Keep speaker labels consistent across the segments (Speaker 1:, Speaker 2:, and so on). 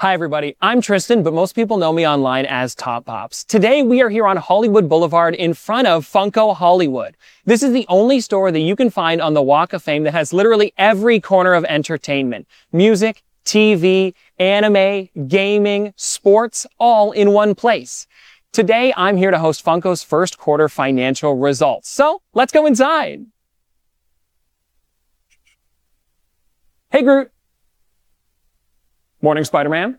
Speaker 1: Hi, everybody. I'm Tristan, but most people know me online as Top Pops. Today, we are here on Hollywood Boulevard in front of Funko Hollywood. This is the only store that you can find on the Walk of Fame that has literally every corner of entertainment, music, TV, anime, gaming, sports, all in one place. Today, I'm here to host Funko's first quarter financial results. Let's go inside. Hey, Groot. Morning, Spider-Man.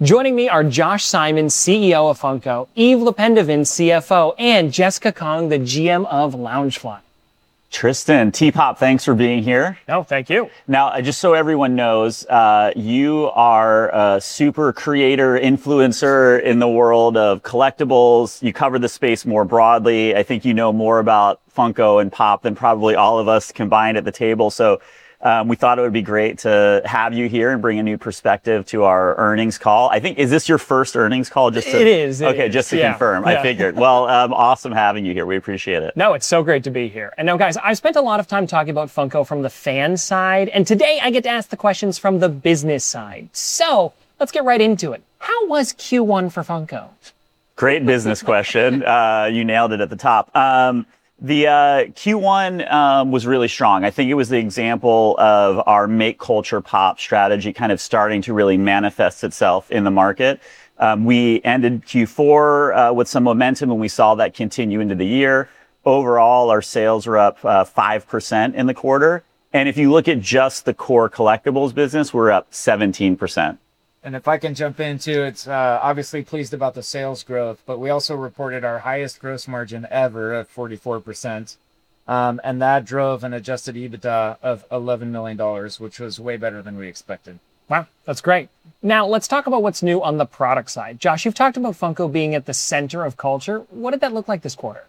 Speaker 1: Joining me are Josh Simon, CEO of Funko, Yves LePendeven, CFO, and Jessica Kong, the GM of Loungefly.
Speaker 2: Tristan, Top Pops, thanks for being here.
Speaker 1: No, thank you.
Speaker 2: Just so everyone knows, you are a super creator, influencer in the world of collectibles. You cover the space more broadly. I think you know more about Funko and Pop! than probably all of us combined at the table. We thought it would be great to have you here and bring a new perspective to our earnings call. Is this your first earnings call?
Speaker 1: It is.
Speaker 2: Okay, just to confirm.
Speaker 1: Yeah. Yeah.
Speaker 2: I figured. Well, awesome having you here. We appreciate it.
Speaker 1: It's so great to be here. I know, guys, I've spent a lot of time talking about Funko from the fan side, and today I get to ask the questions from the business side. Let's get right into it. How was Q1 for Funko?
Speaker 2: Great business question. You nailed it at the top. The Q1 was really strong. I think it was the example of our Make Culture POP! strategy kind of starting to really manifest itself in the market. We ended Q4 with some momentum, and we saw that continue into the year. Overall, our sales were up 5% in the quarter. If you look at just the core collectibles business, we're up 17%.
Speaker 3: If I can jump in, too, it's obviously pleased about the sales growth, but we also reported our highest gross margin ever of 44%. That drove an adjusted EBITDA of $11 million, which was way better than we expected.
Speaker 1: Wow, that's great. Let's talk about what's new on the product side. Josh, you've talked about Funko being at the center of culture. What did that look like this quarter?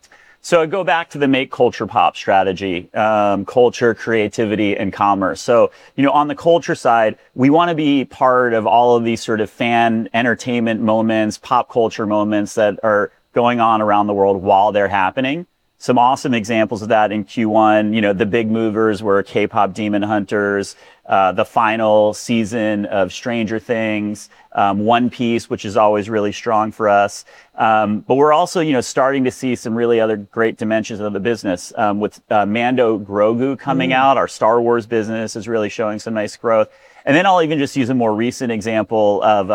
Speaker 2: I go back to the Make Culture POP! strategy, culture, creativity, and commerce. You know, on the culture side, we wanna be part of all of these sort of fan entertainment moments, pop culture moments that are going on around the world while they're happening. Some awesome examples of that in Q1, you know, the big movers were KPop Demon Hunters, the final season of Stranger Things, One Piece, which is always really strong for us. We're also, you know, starting to see some really other great dimensions of the business with Mando Grogu coming out. Our Star Wars business is really showing some nice growth. I'll even just use a more recent example of,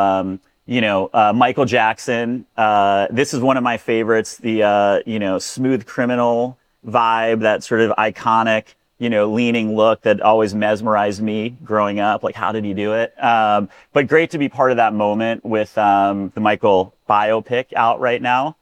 Speaker 2: you know, Michael Jackson. This is one of my favorites, the, you know, Smooth Criminal vibe, that sort of iconic, you know, leaning look that always mesmerized me growing up. How did he do it? Great to be part of that moment with the Michael biopic out right now.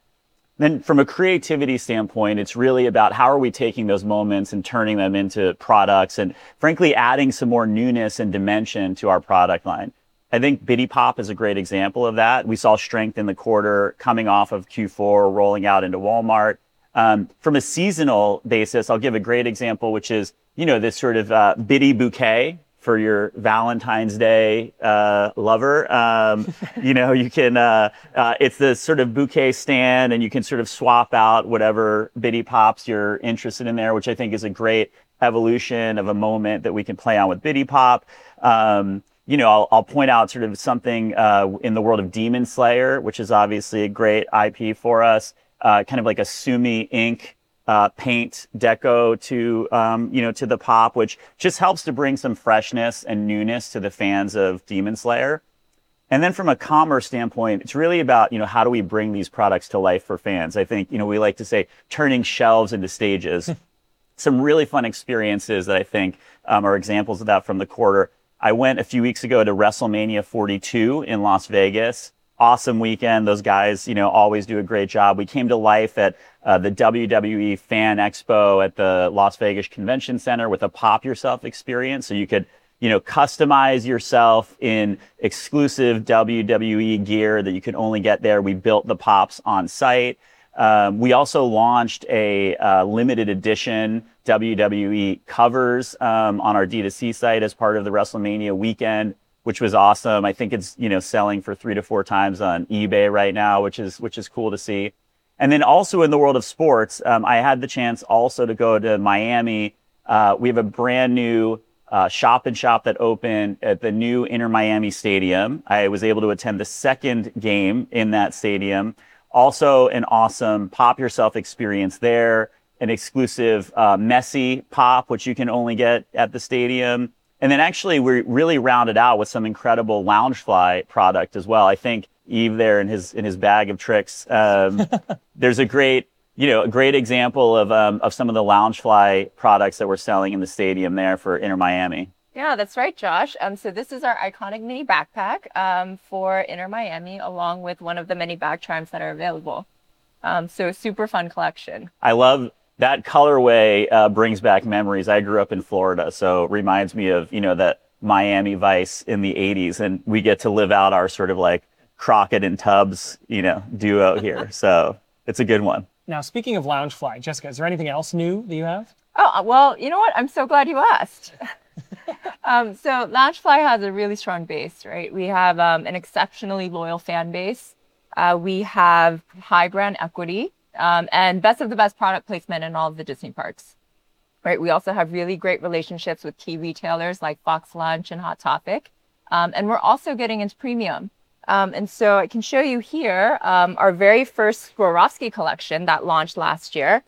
Speaker 2: From a creativity standpoint, it's really about how are we taking those moments and turning them into products and frankly adding some more newness and dimension to our product line. I think Bitty Pop! is a great example of that. We saw strength in the quarter coming off of Q4, rolling out into Walmart. From a seasonal basis, I'll give a great example, which is, you know, this sort of Bitty Bouquet for your Valentine's Day lover. You know, you can, it's this sort of bouquet stand, and you can sort of swap out whatever Bitty Pop! you're interested in there, which I think is a great evolution of a moment that we can play out with Bitty Pop!. You know, I'll point out sort of something in the world of Demon Slayer, which is obviously a great IP for us. Kind of like a sumi ink paint deco to, you know, to the Pop!, which just helps to bring some freshness and newness to the fans of Demon Slayer. From a commerce standpoint, it's really about, you know, how do we bring these products to life for fans? I think, you know, we like to say turning shelves into stages. Some really fun experiences that I think are examples of that from the quarter. I went a few weeks ago to WrestleMania 42 in Las Vegas. Awesome weekend. Those guys, you know, always do a great job. We came to life at the WWE Fan Expo at the Las Vegas Convention Center with a Pop! Yourself experience, so you could, you know, customize yourself in exclusive WWE gear that you can only get there. We built the Pops on site. We also launched a limited edition WWE covers on our D2C site as part of the WrestleMania weekend, which was awesome. I think it's, you know, selling for three to four times on eBay right now, which is cool to see. Also in the world of sports, I had the chance also to go to Miami. We have a brand-new shop-in-shop that opened at the new Inter Miami stadium. I was able to attend the second game in that stadium. Also an awesome Pop! Yourself experience there, an exclusive Messi Pop!, which you can only get at the stadium. Actually we really rounded out with some incredible Loungefly product as well. I think Yves there in his bag of tricks. There's a great, you know, a great example of some of the Loungefly products that we're selling in the stadium there for Inter Miami.
Speaker 4: Yeah, that's right, Josh. This is our iconic mini backpack, for Inter Miami, along with one of the many bag charms that are available. Super fun collection.
Speaker 2: I love that colorway, brings back memories. I grew up in Florida, so reminds me of, you know, the Miami Vice in the '80s, and we get to live out our sort of like Crockett and Tubbs, you know, duo here. It's a good one.
Speaker 1: Speaking of Loungefly, Jessica, is there anything else new that you have?
Speaker 4: Oh, well, you know what? I'm so glad you asked. Loungefly has a really strong base, right? We have an exceptionally loyal fan base. We have high brand equity and best of the best product placement in all of the Disney parks, right? We also have really great relationships with key retailers like BoxLunch and Hot Topic. We're also getting into premium. I can show you here our very first Swarovski collection that launched last year.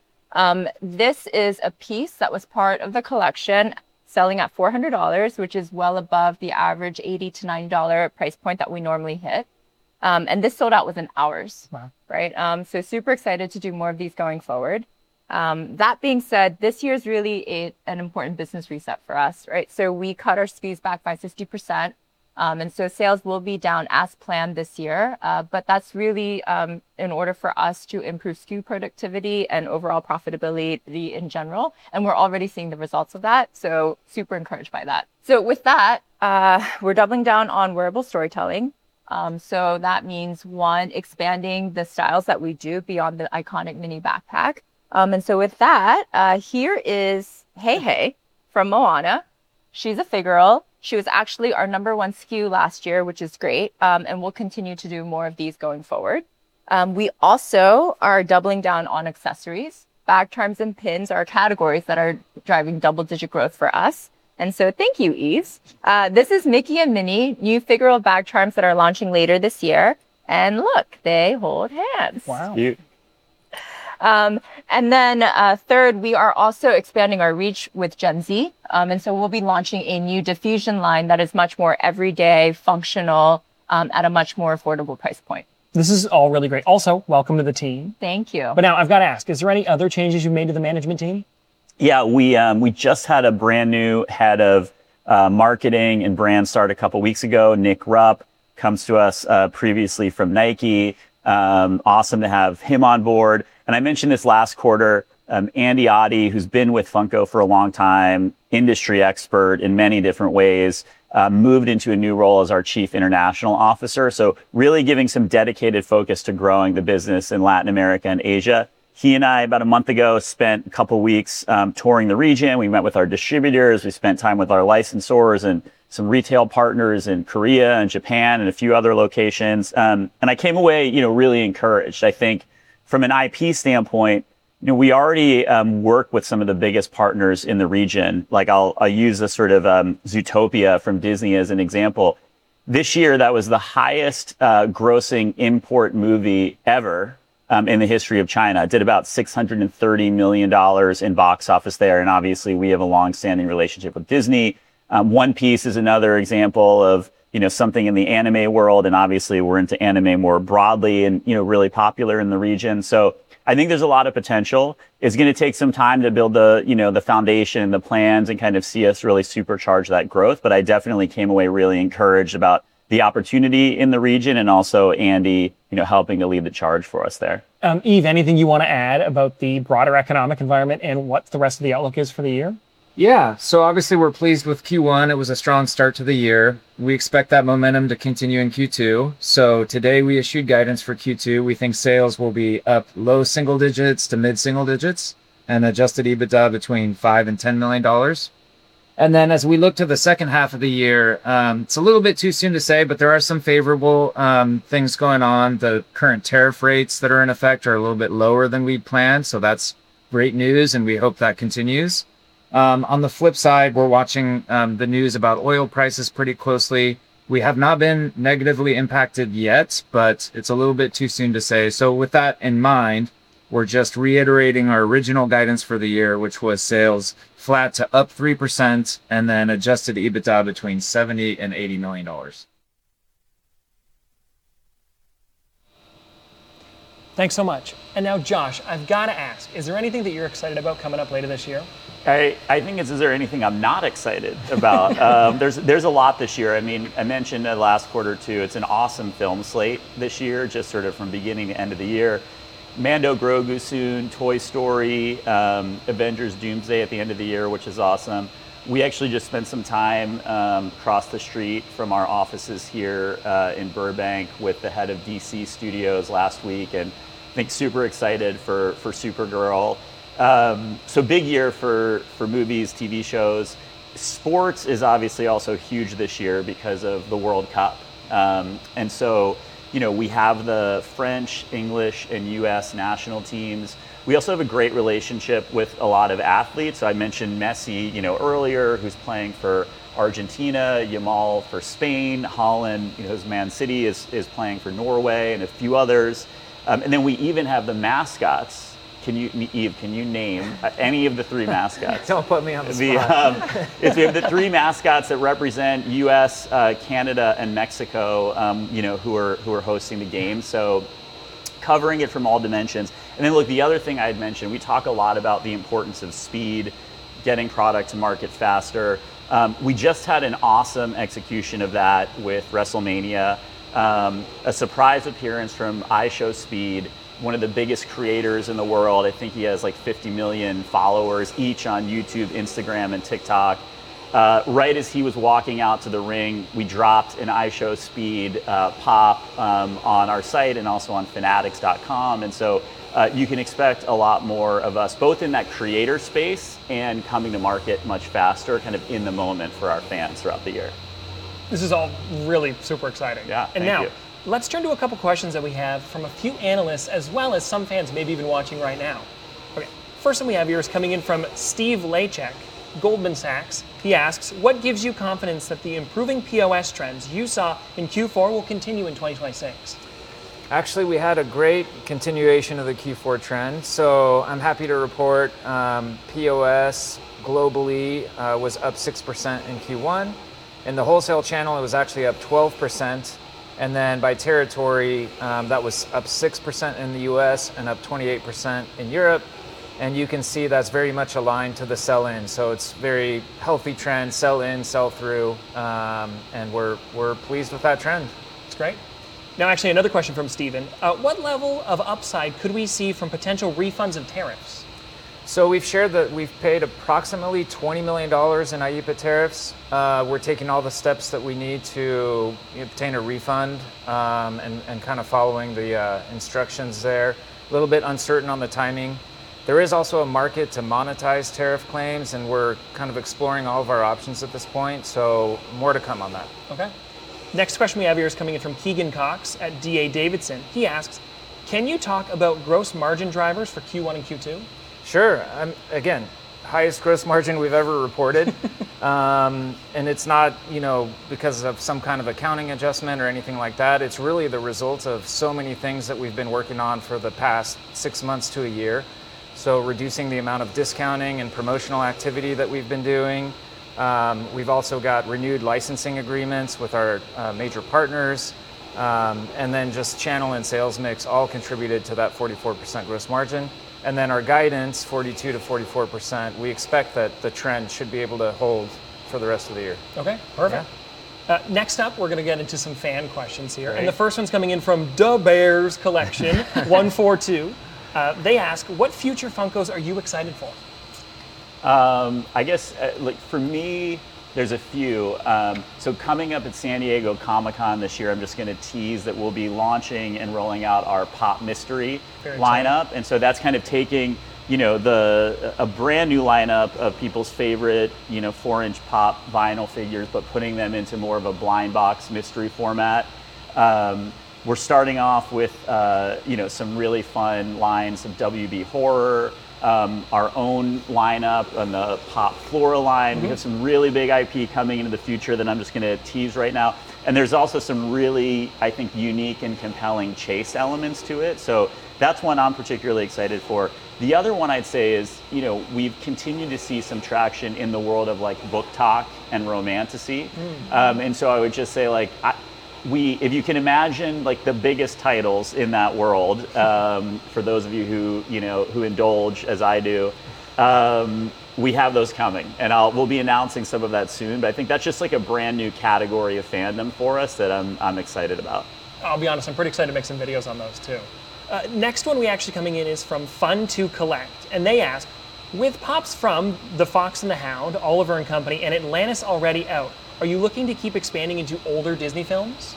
Speaker 4: This is a piece that was part of the collection selling at $400, which is well above the average $80-$90 price point that we normally hit. This sold out within hours.
Speaker 1: Wow.
Speaker 4: Right? Super excited to do more of these going forward. That being said, this year's really an important business reset for us, right? We cut our SKUs back by 50%, sales will be down as planned this year. That's really in order for us to improve SKU productivity and overall profitability in general, and we're already seeing the results of that, super encouraged by that. With that, we're doubling down on wearable storytelling. That means, one, expanding the styles that we do beyond the iconic mini backpack. With that, here is Heihei from Moana. She's a figural. She was actually our number one SKU last year, which is great, we'll continue to do more of these going forward. We also are doubling down on accessories. Bag charms and pins are categories that are driving double-digit growth for us. Thank you, Yves. This is Mickey and Minnie, new figural bag charms that are launching later this year. Look, they hold hands.
Speaker 1: Wow.
Speaker 2: Cute.
Speaker 4: Third, we are also expanding our reach with Gen Z. We'll be launching a new diffusion line that is much more everyday, functional, at a much more affordable price point.
Speaker 1: This is all really great. Also, welcome to the team.
Speaker 4: Thank you.
Speaker 1: Now I've got to ask, is there any other changes you've made to the management team?
Speaker 2: Yeah. We just had a brand-new head of marketing and brand start a couple weeks ago. Nik Rupp comes to us previously from Nike. Awesome to have him on board. I mentioned this last quarter, Andy Oddie, who's been with Funko for a long time, industry expert in many different ways, moved into a new role as our Chief International Officer. So, really giving some dedicated focus to growing the business in Latin America and Asia. He and I, about a month ago, spent a couple weeks touring the region. We met with our distributors. We spent time with our licensors and some retail partners in Korea and Japan and a few other locations. I came away, you know, really encouraged. I think from an IP standpoint, you know, we already work with some of the biggest partners in the region. Like I'll use a sort of Zootopia from Disney as an example. This year, that was the highest grossing import movie ever in the history of China. Did about $630 million in box office there. Obviously we have a long-standing relationship with Disney. One Piece is another example of, you know, something in the anime world. Obviously we're into anime more broadly and, you know, really popular in the region. I think there's a lot of potential. It's gonna take some time to build the, you know, the foundation and the plans and kind of see us really supercharge that growth, but I definitely came away really encouraged about the opportunity in the region and also Andy, you know, helping to lead the charge for us there.
Speaker 1: Yves, anything you want to add about the broader economic environment and what the rest of the outlook is for the year?
Speaker 3: Obviously we're pleased with Q1. It was a strong start to the year. We expect that momentum to continue in Q2. Today we issued guidance for Q2. We think sales will be up low single digits to mid single digits and adjusted EBITDA between $5 million and $10 million. As we look to the second half of the year, it's a little bit too soon to say, but there are some favorable things going on. The current tariff rates that are in effect are a little bit lower than we'd planned, so that's great news, and we hope that continues. On the flip side, we're watching the news about oil prices pretty closely. We have not been negatively impacted yet, but it's a little bit too soon to say. With that in mind, we're just reiterating our original guidance for the year, which was sales flat to up 3% and then adjusted EBITDA between $70 million and $80 million.
Speaker 1: Thanks so much. Now, Josh, I've got to ask, is there anything that you're excited about coming up later this year?
Speaker 2: I think, is there anything I'm not excited about? There's a lot this year. I mean, I mentioned it last quarter too, it's an awesome film slate this year, just sort of from beginning to end of the year. Mando Grogu soon, Toy Story, Avengers: Doomsday at the end of the year, which is awesome. We actually just spent some time across the street from our offices here in Burbank with the head of DC Studios last week, and think super excited for Supergirl. So big year for movies, TV shows. Sports is obviously also huge this year because of the World Cup. So, you know, we have the French, English, and U.S. national teams. We also have a great relationship with a lot of athletes. I mentioned Messi, you know, earlier, who's playing for Argentina, Yamal for Spain, Haaland, you know, his Man City, is playing for Norway, and a few others. Then we even have the mascots. Can you, Yves, can you name any of the three mascots?
Speaker 3: Don't put me on the spot.
Speaker 2: We have the three mascots that represent U.S., Canada, and Mexico, who are hosting the game. Covering it from all dimensions. Look, the other thing I'd mention, we talk a lot about the importance of speed, getting product to market faster. We just had an awesome execution of that with WrestleMania. A surprise appearance from IShowSpeed, one of the biggest creators in the world. I think he has, like, 50 million followers each on YouTube, Instagram, and TikTok. Right as he was walking out to the ring, we dropped an IShowSpeed Pop! on our site and also on fanatics.com. You can expect a lot more of us both in that creator space and coming to market much faster, kind of in the moment for our fans throughout the year.
Speaker 1: This is all really super exciting.
Speaker 2: Yeah. Thank you.
Speaker 1: Now let's turn to a couple questions that we have from a few analysts as well as some fans maybe even watching right now. First one we have here is coming in from Steve Laszczyk, Goldman Sachs. He asks, "What gives you confidence that the improving POS trends you saw in Q4 will continue in 2026?"
Speaker 3: Actually, we had a great continuation of the Q4 trend. I'm happy to report, POS globally was up 6% in Q1. In the wholesale channel it was actually up 12%. By territory, that was up 6% in the U.S. and up 28% in Europe. You can see that's very much aligned to the sell in. It's very healthy trend, sell-in, sell-through, and we're pleased with that trend.
Speaker 1: That's great. Actually another question from Stephen. What level of upside could we see from potential refunds of tariffs?
Speaker 3: We've shared that we've paid approximately $20 million in IEEPA tariffs. We're taking all the steps that we need to obtain a refund, and kind of following the instructions there. Little bit uncertain on the timing. There is also a market to monetize tariff claims, and we're kind of exploring all of our options at this point, so more to come on that.
Speaker 1: Okay. Next question we have here is coming in from Keegan Cox at D.A. Davidson. He asks, "Can you talk about gross margin drivers for Q1 and Q2?"
Speaker 3: Sure. again, highest gross margin we've ever reported. It's not, you know, because of some kind of accounting adjustment or anything like that. It's really the result of so many things that we've been working on for the past six months to a year. Reducing the amount of discounting and promotional activity that we've been doing. We've also got renewed licensing agreements with our major partners. Just channel and sales mix all contributed to that 44% gross margin. Our guidance, 42%-44%, we expect that the trend should be able to hold for the rest of the year.
Speaker 1: Okay. Perfect.
Speaker 2: Yeah.
Speaker 1: Next up we're gonna get into some fan questions here.
Speaker 2: Great.
Speaker 1: The first one's coming in from Da Bears Collection142. They ask, "What future Funkos are you excited for?"
Speaker 2: I guess, like for me there's a few. Coming up at San Diego Comic-Con this year, I'm just gonna tease that we'll be launching and rolling out our POP! Mystery.
Speaker 1: Very exciting.
Speaker 2: Lineup, that's kind of taking a brand new lineup of people's favorite 4" Pop! vinyl figures, but putting them into more of a blind box mystery format. We're starting off with some really fun lines of WB horror, our own lineup on the POP! Horror line. We got some really big IP coming into the future that I'm just gonna tease right now. There's also some really, I think, unique and compelling chase elements to it. That's one I'm particularly excited for. The other one I'd say is, you know, we've continued to see some traction in the world of, like, BookTok and Romantasy. I would just say, like, if you can imagine, like, the biggest titles in that world, for those of you who, you know, who indulge as I do, we have those coming. We'll be announcing some of that soon, but I think that's just, like, a brand new category of fandom for us that I'm excited about.
Speaker 1: I'll be honest, I'm pretty excited to make some videos on those too. Next one we actually coming in is from Fun To Collect, and they ask, "With Pop!s from The Fox and the Hound, Oliver & Company, and Atlantis already out, are you looking to keep expanding into older Disney films?"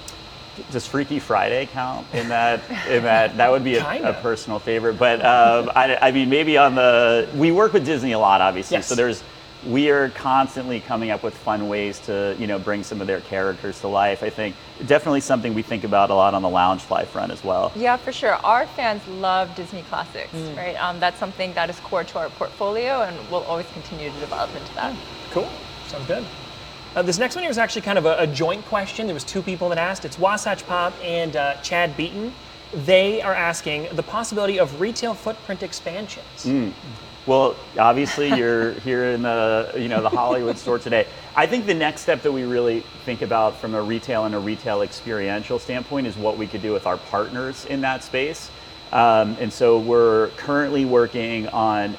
Speaker 2: Does Freaky Friday count in that?
Speaker 1: Kinda.
Speaker 2: That would be a personal favorite, but I mean, we work with Disney a lot obviously.
Speaker 1: Yes.
Speaker 2: We are constantly coming up with fun ways to, you know, bring some of their characters to life, I think. Definitely something we think about a lot on the Loungefly front as well.
Speaker 4: Yeah, for sure. Our fans love Disney classics, right? That's something that is core to our portfolio, and we'll always continue to develop into that.
Speaker 1: Cool. Sounds good. This next one here is actually kind of a joint question. There was two people that asked. It is Wasatch Pop and Chad Beaton. They are asking the possibility of retail footprint expansions.
Speaker 2: Well obviously you're here in the, you know, the Hollywood store today. I think the next step that we really think about from a retail and a retail experiential standpoint is what we could do with our partners in that space. We're currently working on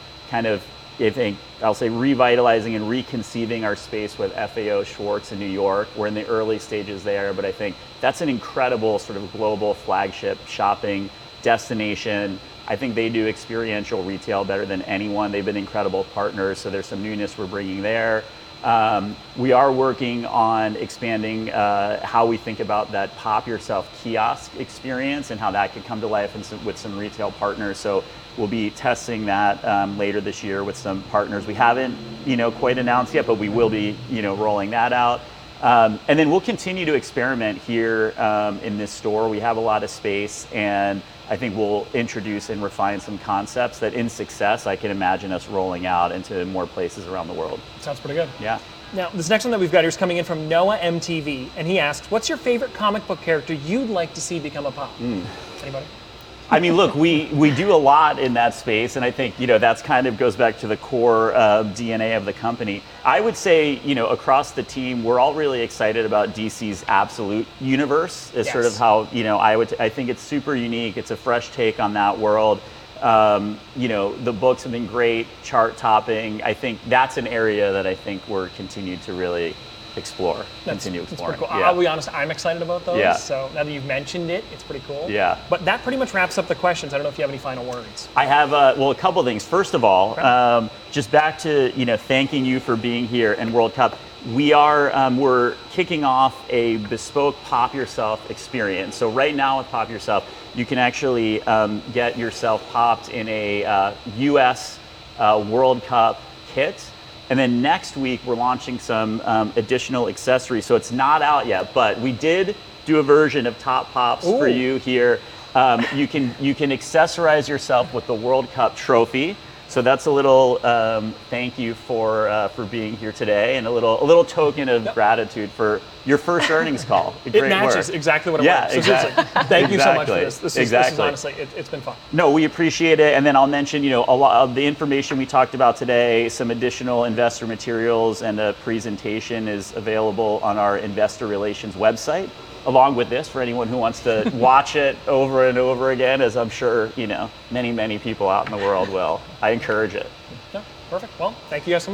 Speaker 2: revitalizing and reconceiving our space with FAO Schwarz in New York. We're in the early stages there. I think that's an incredible sort of global flagship shopping destination. I think they do experiential retail better than anyone. They've been incredible partners. There's some newness we're bringing there. We are working on expanding how we think about that Pop! Yourself kiosk experience and how that could come to life with some retail partners. We'll be testing that later this year with some partners. We haven't, you know, quite announced yet, but we will be, you know, rolling that out. We'll continue to experiment here in this store. We have a lot of space. I think we'll introduce and refine some concepts that in success I can imagine us rolling out into more places around the world.
Speaker 1: Sounds pretty good.
Speaker 2: Yeah.
Speaker 1: This next one that we've got here is coming in from Noah MTV, and he asked, "What's your favorite comic book character you'd like to see become a Pop!?" Anybody?
Speaker 2: I mean, look, we do a lot in that space, and I think, you know, that's kind of goes back to the core DNA of the company. I would say, you know, across the team we're all really excited about DC's Absolute Universe.
Speaker 1: Yes.
Speaker 2: Is sort of how, you know, I think it's super unique. It's a fresh take on that world. You know, the books have been great, chart-topping. I think that's an area that I think we're continued to really explore, continue exploring.
Speaker 1: That's pretty cool.
Speaker 2: Yeah.
Speaker 1: I'll be honest, I'm excited about those.
Speaker 2: Yeah.
Speaker 1: Now that you've mentioned it's pretty cool.
Speaker 2: Yeah.
Speaker 1: That pretty much wraps up the questions. I don't know if you have any final words.
Speaker 2: I have, well, a couple things. First of all, just back to, you know, thanking you for being here and World Cup, we are kicking off a bespoke Pop! Yourself experience. Right now with Pop! Yourself you can actually get yourself popped in a U.S. World Cup kit, and then next week we're launching some additional accessories. It's not out yet, but we did do a version of Top Pops for you here. You can accessorize yourself with the World Cup trophy. That's a little thank you for being here today and a little, a little token of gratitude for your first earnings call. Great work.
Speaker 1: It matches exactly what I'm wearing.
Speaker 2: Yeah, exact-
Speaker 1: So, this is like-
Speaker 2: Exactly
Speaker 1: Thank you so much for this.
Speaker 2: Exactly.
Speaker 1: This is honestly, it's been fun.
Speaker 2: No, we appreciate it. I'll mention, you know, a lot of the information we talked about today, some additional investor materials and a presentation is available on our investor relations website along with this for anyone who wants to watch it over and over again, as I'm sure, you know, many people out in the world will. I encourage it.
Speaker 1: Yeah. Perfect. Well, thank you guys so much.